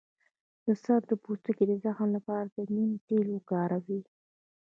د سر د پوستکي د زخم لپاره د نیم تېل وکاروئ